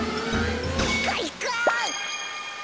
かいか！